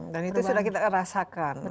dan itu sudah kita rasakan